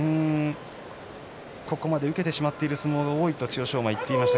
ここまで受けてしまっている相撲が多いと言っていました。